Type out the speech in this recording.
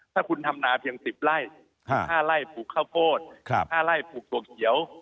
ถ้าคุณทำนาเพียง๑๐ไร่๕ไร่ปลูกข้าวโพด๕ไร่ปลูกถั่วเขียว